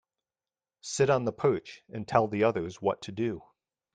Sit on the perch and tell the others what to do.